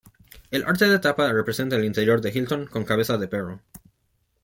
El arte de tapa representa el interior de Hilton con cabeza de perro.